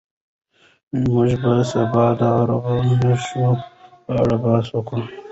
موږ به سبا د عربي نښو په اړه بحث وکړو.